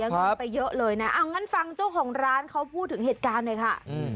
เงินไปเยอะเลยนะเอางั้นฟังเจ้าของร้านเขาพูดถึงเหตุการณ์หน่อยค่ะ